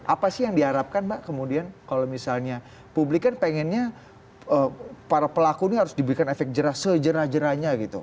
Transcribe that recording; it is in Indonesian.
apa sih yang diharapkan mbak kemudian kalau misalnya publik kan pengennya para pelaku ini harus diberikan efek jerah sejerah jerahnya gitu